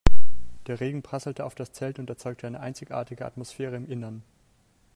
Der Regen prasselte auf das Zelt und erzeugte eine einzigartige Atmosphäre im Innern.